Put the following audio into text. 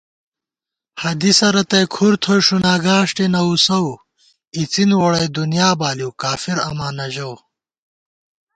حدیثہ رتئی کُھر تھوئی ݭُنا گاݭٹےنہ وُسَؤ * اِڅِن ووڑئی دنیا بالِیؤ، کافراماں نہ ژَؤ